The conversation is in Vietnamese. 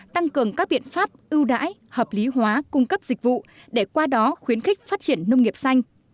tăng cường các biện pháp ưu đãi hợp lý hóa cung cấp dịch vụ để qua đó khuyến khích phát triển nông nghiệp xanh